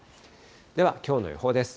ではきょうの予報です。